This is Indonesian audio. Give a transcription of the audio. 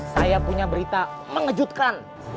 saya punya berita mengejutkan